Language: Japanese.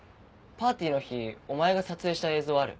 パーティーの日お前が撮影した映像ある？